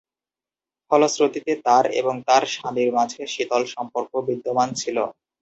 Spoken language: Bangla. ফলশ্রুতিতে তার এবং তার স্বামীর মাঝে শীতল সম্পর্ক বিদ্যমান ছিল।